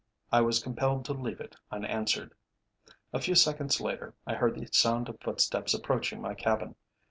I was compelled to leave it unanswered. A few seconds later I heard the sound of footsteps approaching my cabin.